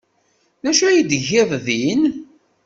D acu ay tgiḍ din?